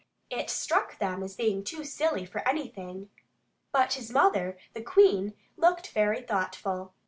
It struck them as being too silly for anything. But his mother, the Queen, looked very thoughtful.